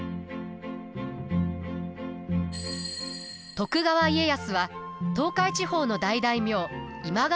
徳川家康は東海地方の大大名今川